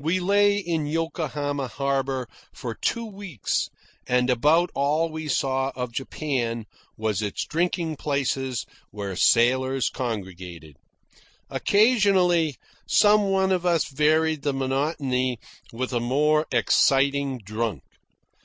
We lay in Yokohama harbour for two weeks, and about all we saw of Japan was its drinking places where sailors congregated. Occasionally, some one of us varied the monotony with a more exciting drunk.